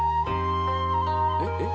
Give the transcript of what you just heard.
えっ？えっ？